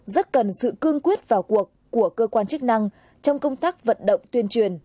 rất cần sự cương quyết vào cuộc của cơ quan chức năng trong công tác vận động tuyên truyền